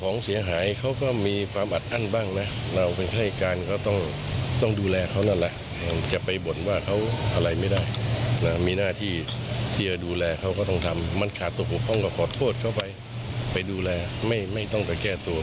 นี่แหละครับงานด้านมหาธัยก็ว่ากันไป